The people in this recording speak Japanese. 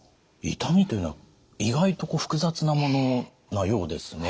痛みというのは意外と複雑なものなようですね。